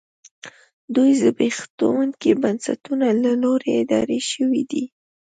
دوی د زبېښونکو بنسټونو له لوري اداره شوې دي